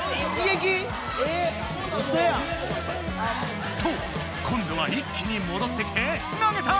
えうそやん！と今どは一気にもどってきて投げた！